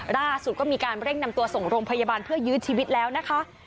ล่าสุดก็มีการเร่งนำตัวส่งโรงพยาบาลเพื่อยื้อชีวิตแล้วนะคะ